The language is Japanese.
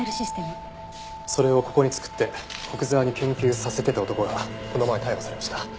それをここに作って古久沢に研究させてた男がこの前逮捕されました。